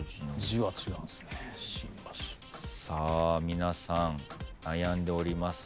皆さん悩んでおります。